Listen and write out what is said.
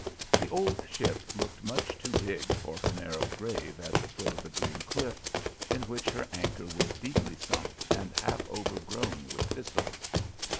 The old ship looked much too big for her narrow grave at the foot of the green cliff, in which her anchor was deeply sunk and half overgrown with thistles.